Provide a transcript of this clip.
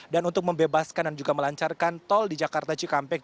dan untuk membebaskan dan juga melancarkan tol di jakarta cikampek